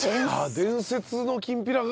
伝説のきんぴらが？